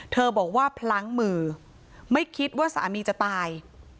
บอกว่าพลั้งมือไม่คิดว่าสามีจะตาย